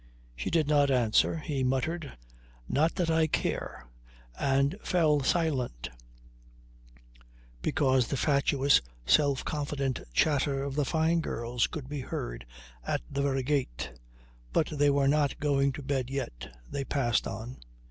She did not answer. He muttered, "Not that I care," and fell silent, because the fatuous self confident chatter of the Fyne girls could be heard at the very gate. But they were not going to bed yet. They passed on.